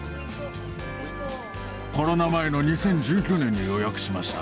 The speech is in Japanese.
コロナ前の２０１９年に予約しました。